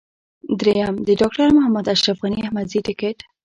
درېم: د ډاکټر محمد اشرف غني احمدزي ټکټ.